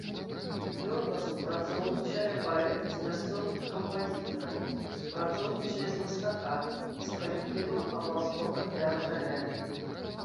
Плённа супрацоўнічае паэт з мясцовымі кампазітарамі, супрацоўнічае з мастакамі, з калектывам абласнога тэатра лялек.